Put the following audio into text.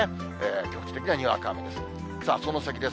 局地的なにわか雨です。